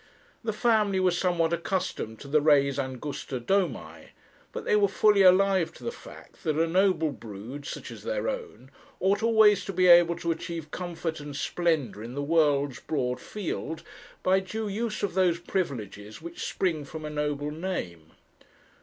The family was somewhat accustomed to the res angusta domi; but they were fully alive to the fact, that a noble brood, such as their own, ought always to be able to achieve comfort and splendour in the world's broad field, by due use of those privileges which spring from a noble name.